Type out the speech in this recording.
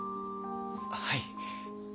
はい。